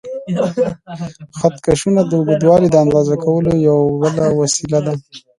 خط کشونه د اوږدوالي د اندازه کولو یوه بله وسیله ده.